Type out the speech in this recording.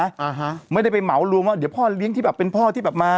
อ่าฮะไม่ได้ไปเหมารวมว่าเดี๋ยวพ่อเลี้ยงที่แบบเป็นพ่อที่แบบมา